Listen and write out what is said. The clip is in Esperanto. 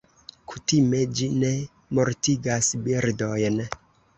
Kutime ĝi ne mortigas birdojn.